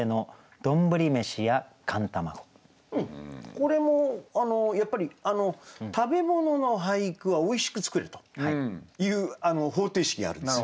これもやっぱり食べ物の俳句はおいしく作れという方程式があるんですよ。